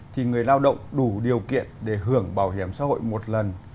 thì người lao động đủ điều kiện để hưởng bảo hiểm xã hội một lần